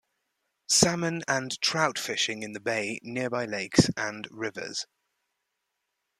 Salmon and trout fishing in the bay, nearby lakes and rivers.